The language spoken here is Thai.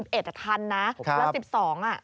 พัทร๑๒นาการนะครับ๑๒อ่ะ